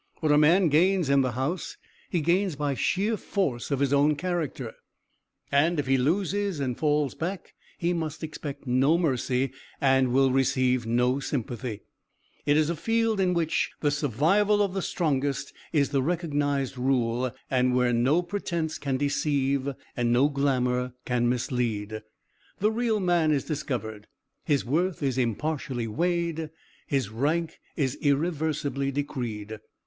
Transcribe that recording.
What a man gains in the House he gains by sheer force of his own character, and if he loses and falls back he must expect no mercy, and will receive no sympathy. It is a field in which the survival of the strongest is the recognized rule, and where no pretense can deceive and no glamour can mislead. The real man is discovered, his worth is impartially weighed, his rank is irreversibly decreed.